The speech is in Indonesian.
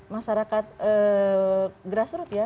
masyarakat grassroot ya